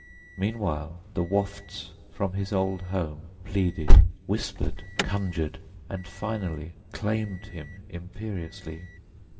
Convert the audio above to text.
Meanwhile, the wafts from his old home pleaded, whispered, conjured, and finally claimed him imperiously.